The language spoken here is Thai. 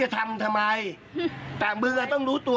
แผนจัดการงานคุณอย่างไปพูดเลย